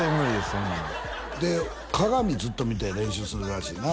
そんなので鏡ずっと見て練習するらしいな